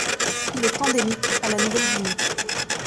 Il est endémique à la Nouvelle-Guinée.